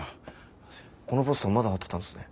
このポスターまだ貼ってたんですね。